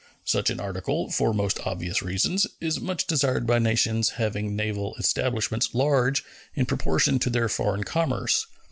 Such an article, for most obvious reasons, is much desired by nations having naval establishments large in proportion to their foreign commerce.